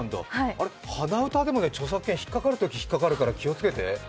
あれ、鼻歌でも著作権、引っかかるとき引っかかるから気をつけて。